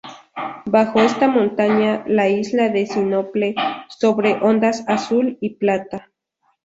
Bajo esta montaña, la isla de sinople, sobre ondas azul y plata.